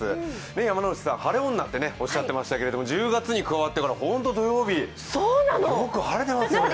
山内さん、晴れ女っておっしゃってましたけど、１０月にかわってからホント土曜日よく晴れていますよね。